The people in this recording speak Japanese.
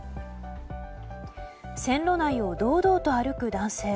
線路内を堂々と歩く男性。